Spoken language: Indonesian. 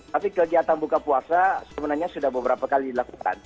tapi kegiatan buka puasa sebenarnya sudah beberapa kali dilakukan